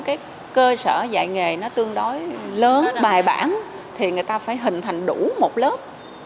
cái cơ sở dạy nghề nó tương đối lớn bài bản thì người ta phải hình thành đủ một lớp